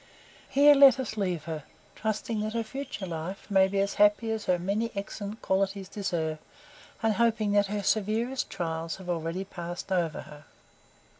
Here let us leave her, trusting that her future life may be as happy as her many excellent qualities deserve, and hoping that her severest trials have already passed over her.